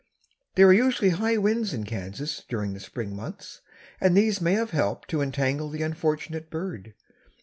There are usually high winds in Kansas during the Spring months, and these may have helped to entangle the unfortunate bird.